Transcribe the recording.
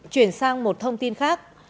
chuyển sang một thông tin khác